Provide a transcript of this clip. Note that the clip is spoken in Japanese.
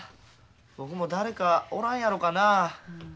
僕も誰かおらんやろかな。